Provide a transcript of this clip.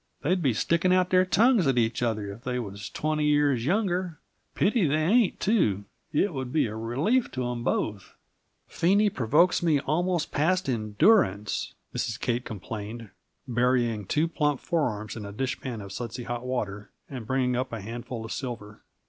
"They'd be sticking out their tongues at each other if they was twenty years younger; pity they ain't, too; it would be a relief to 'em both!" "Phenie provokes me almost past endurance!" Mrs. Kate complained, burying two plump forearms in a dishpan of sudsy hot water, and bringing up a handful of silver.